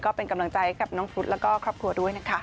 ก็เป็นกำลังใจกับน้องครุฑแล้วก็ครอบครัวด้วยนะคะ